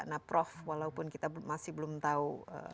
nah prof walaupun kita masih belum tahu